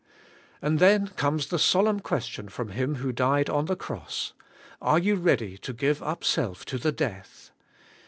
And then comes the solemn question from Him who died on the cross: 'Are you ready to give up self to the death?'